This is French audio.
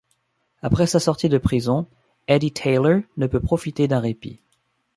Après sa sortie de prison, Eddie Taylor ne peut profiter d'un répit.